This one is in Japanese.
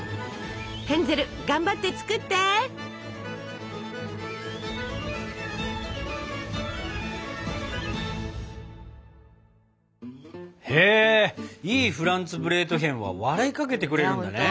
ヘンゼル頑張って作って！へいいフランツブレートヒェンは笑いかけてくれるんだね。